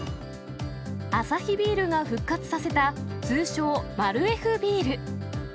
アサヒビールが復活させた、通称、マルエフビール。